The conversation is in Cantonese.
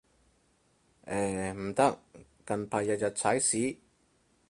唉，唔得，近排日日踩屎